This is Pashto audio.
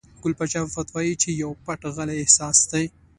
ګل پاچا الفت وایي چې پو پټ غلی احساس دی.